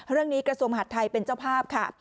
เรื่องนี้กระทรวงหัดไทยเป็นเจ้าภาพค่ะ